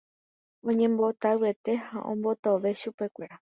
Oñembotavyete ha ombotove chupekuéra.